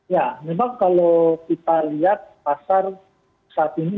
ya memang kalau kita lihat pasar saat ini